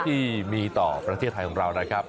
ที่มีต่อประเทศไทยของเรานะครับ